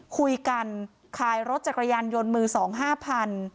คุยกันขายรถจักรยานยนต์มือสองห้าพัน